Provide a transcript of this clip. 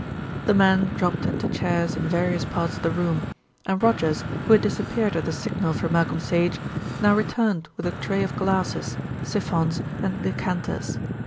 The men dropped into chairs in various parts of the room, and Rogers, who had disappeared at a signal from Malcolm Sage, now returned with a tray of glasses, syphons, and decanters.